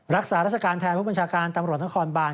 รักษาราชการแทนผู้บัญชาการตำรวจนครบาน